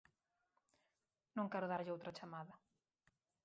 Non quero darlle outra chamada.